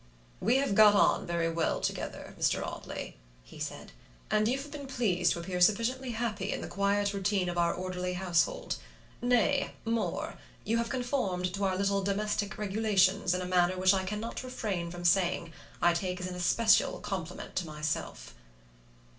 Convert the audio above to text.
"We have got on very well together, Mr. Audley," he said, "and you have been pleased to appear sufficiently happy in the quiet routine of our orderly household; nay, more, you have conformed to our little domestic regulations in a manner which I cannot refrain from saying I take as an especial compliment to myself."